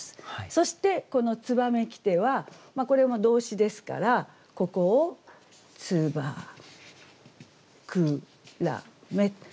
そしてこの「燕きて」はこれも動詞ですからここを「つばくらめ」。